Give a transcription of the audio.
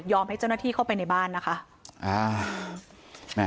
ให้เจ้าหน้าที่เข้าไปในบ้านนะคะ